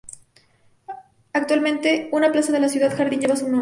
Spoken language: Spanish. Actualmente, una plaza de la ciudad jardín lleva su nombre.